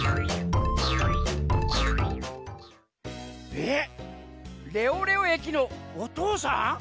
えっレオレオえきのおとうさん？